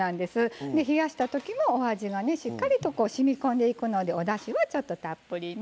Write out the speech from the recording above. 冷やしたときもお味がねしっかりとしみこんでいくのでおだしはちょっとたっぷりめ。